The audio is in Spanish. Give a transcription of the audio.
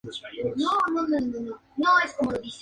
Juega de delantero en el Sint-Truidense de la Jupiler Pro League.